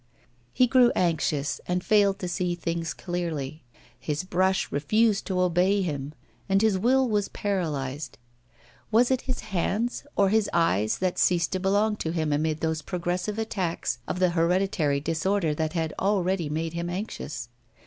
He grew anxious, and failed to see things clearly; his brush refused to obey him, and his will was paralysed. Was it his hands or his eyes that ceased to belong to him amid those progressive attacks of the hereditary disorder that had already made him anxious?